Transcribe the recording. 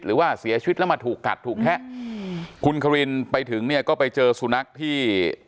หรือว่าเสียชีวิตแล้วมาถูกกัดถูกแทะอืมคุณควินไปถึงเนี่ยก็ไปเจอสุนัขที่